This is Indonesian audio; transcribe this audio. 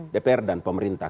dpr dan pemerintah